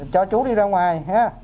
cho chú đi ra ngoài